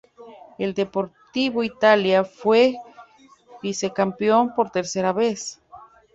El Deportivo Italia fue vicecampeón por tercera vez.